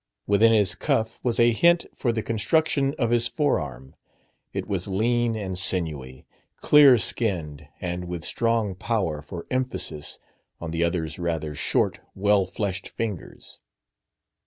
Within his cuff was a hint for the construction of his fore arm: it was lean and sinewy, clear skinned, and with strong power for emphasis on the other's rather short, well fleshed fingers.